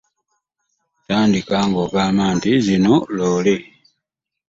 Tandika nga ogamba nti zino lore .